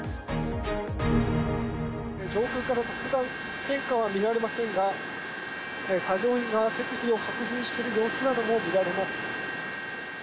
上空から特段、変化は見られませんが、作業員が設備を確認している様子なども見られます。